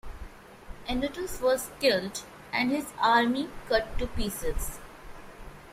Xenoetas was killed, and his army cut to pieces.